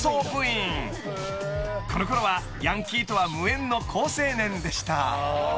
［このころはヤンキーとは無縁の好青年でした］